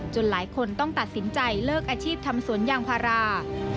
หลายคนต้องตัดสินใจเลิกอาชีพทำสวนยางพารา